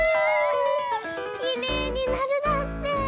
「きれいになる」だって！